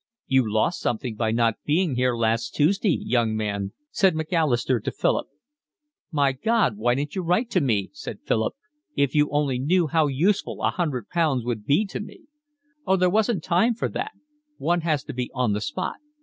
"You lost something by not being here last Tuesday, young man," said Macalister to Philip. "My God, why didn't you write to me?" said Philip. "If you only knew how useful a hundred pounds would be to me." "Oh, there wasn't time for that. One has to be on the spot.